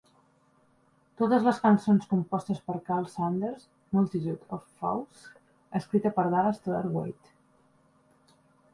Totes les cançons compostes per Karl Sanders; "Multitude of Foes", escrita per Dallas Toler-Wade.